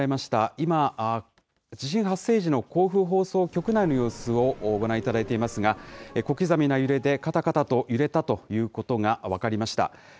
今、地震発生時の甲府放送局内の様子をご覧いただいていますが、小刻みな揺れでかたかたと揺れたということが分かりました。